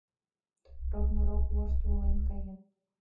Ровно рок вошт волен каен.